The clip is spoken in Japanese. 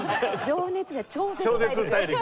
情熱じゃなくて「超絶大陸」。